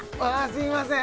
すいません